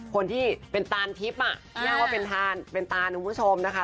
คนที่เป็นตานทิพย์อ้างว่าเป็นตานคุณผู้ชมนะคะ